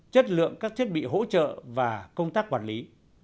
chất lượng các thiết bị hỗ trợ và công tác quản lý